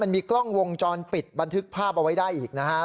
มีกล้องวงจรปิดบันทึกภาพเอาไว้ได้อีกนะฮะ